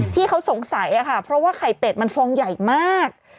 ที่เขาสงสัยค่ะเพราะว่าไข่เป็ดมันฟองใหญ่มาก